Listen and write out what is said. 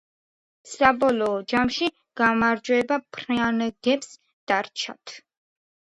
საბოლოო ჯამში გამარჯვება ფრანგებს დარჩათ.